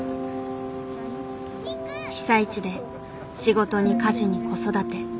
被災地で仕事に家事に子育て。